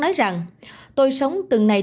nói rằng tôi sống từng này